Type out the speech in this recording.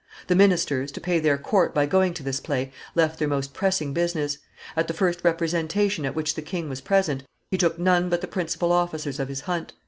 The ministers, to pay their court by going to this play, left their most pressing business. At the first representation at which the king was present, he took none but the principal officers of his hunt.